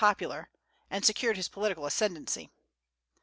popular, and secured his political ascendency.